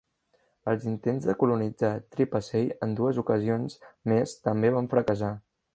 Els intents de colonitzar Trepassey en dues ocasions més també van fracassar.